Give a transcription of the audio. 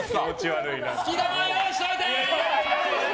好き玉用意しておいて！